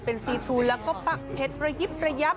เป็นซีทูลแล้วก็ปักเผ็ดระยิบ